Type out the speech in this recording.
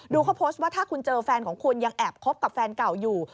เขาโพสต์ว่าถ้าคุณเจอแฟนของคุณยังแอบคบกับแฟนเก่าอยู่